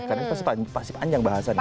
karena pasti panjang bahasannya